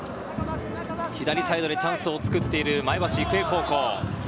左サイドでチャンスを作っている前橋育英高校。